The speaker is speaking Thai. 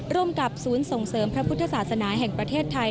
ร่วมกับศูนย์ส่งเสริมพระพุทธศาสนาแห่งประเทศไทย